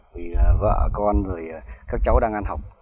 vì vợ con các cháu đang ăn học